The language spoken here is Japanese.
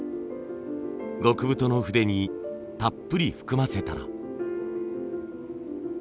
極太の筆にたっぷり含ませたら。